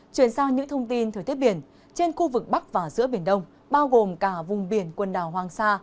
chuyển sang những thông tin thời tiết biển trên khu vực bắc và giữa biển đông bao gồm cả vùng biển quần đảo hoàng sa